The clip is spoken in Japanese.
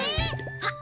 あっ